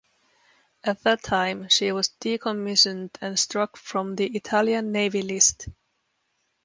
At that time, she was decommissioned and struck from the Italian Navy list.